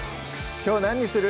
きょう何にする？